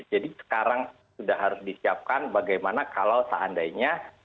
jadi sekarang sudah harus disiapkan bagaimana kalau seandainya